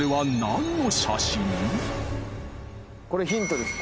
これヒントです